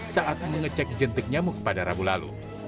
saat mengecek jentik nyamuk pada rabu lalu